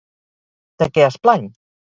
De què es plany?